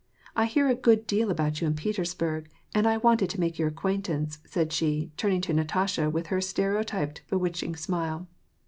— I heard a good deal about ^ou in Petersburg, and I wanted to make your acquaintance," said she, turning to Nat asha with her stereotyped, bewitching smile.